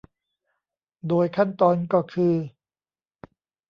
โดยขั้นตอนก็คือ